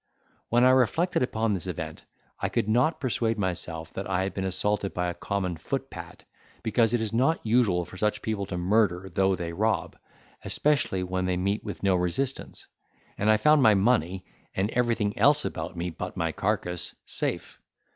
When I reflected upon this event, I could not persuade myself that I had been assaulted by a common footpad, because it is not usual for such people to murder though they rob, especially when they meet with no resistance; and I found my money, and everything else about me but my carcase, safe.